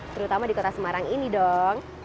terutama di kota semarang ini dong